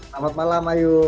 selamat malam ayu